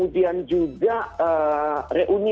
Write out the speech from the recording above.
di normal kalau resmi